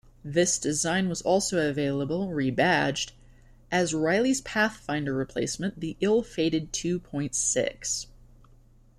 This design was also available, rebadged, as Riley's Pathfinder replacement, the ill-fated Two-Point-Six.